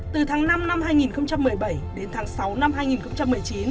từ tháng năm năm hai nghìn một mươi bảy đến tháng sáu năm hai nghìn một mươi chín